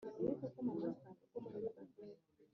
Igihe cy imyaka icyo gihe noneho yari amaze imyaka myinci cyane